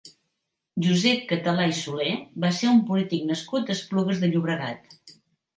Josep Català i Soler va ser un polític nascut a Esplugues de Llobregat.